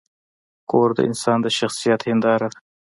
کور د انسان د شخصیت هنداره ده.